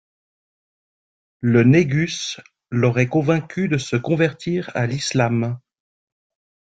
Le Négus l'aurait convaincu de se convertir à l'islam.